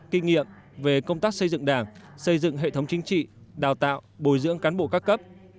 kinh nghiệm về công tác xây dựng đảng xây dựng hệ thống chính trị đào tạo bồi dưỡng cán bộ các cấp